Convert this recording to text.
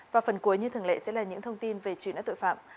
và phần cuối như thường lệ sẽ là những thông tin về truy nã tội phạm